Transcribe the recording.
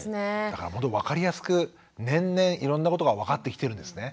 だからほんと分かりやすく年々いろんなことが分かってきてるんですね。